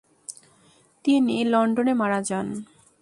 তিনি লন্ডনে মারা যান।